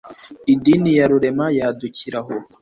idini ya rurema yadukira aho